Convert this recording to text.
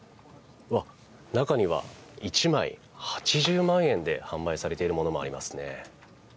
中には１枚８０万円で販売されているものもありますね。